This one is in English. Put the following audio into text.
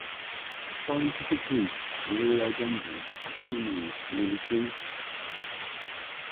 The Scientific Greek "Liriodendron" actually means "lily tree".